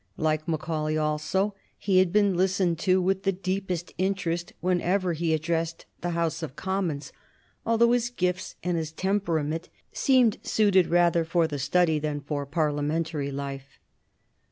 Like Macaulay also, he had been listened to with the deepest interest whenever he addressed the House of Commons, although his gifts and his temperament seemed suited rather for the study than for Parliamentary life.